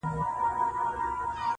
هر څه دروند او بې روحه ښکاري په کور کي,